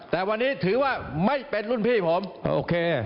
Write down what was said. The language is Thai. แต่วันนี้ถือว่าไม่เป็นรุ่นพี่ผมโอเค